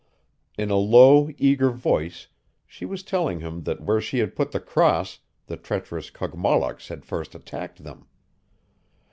In a low, eager voice she was telling him that where she had put the cross the treacherous Kogmollocks had first attacked them.